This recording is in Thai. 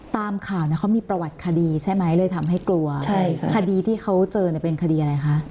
ตามข่าวเนี่ยเขามีประวัติคดีใช่ไหมเลยทำให้กลัวคดีที่เขาเจอเนี่ยเป็นคดีอะไรคะ